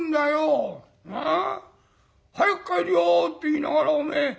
早く帰るよって言いながらおめえ